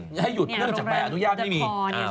เรื่องจังแปลงอนุญาตไม่มี